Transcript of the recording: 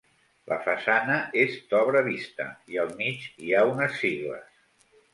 La façana és d'obra vista, i al mig hi ha unes sigles.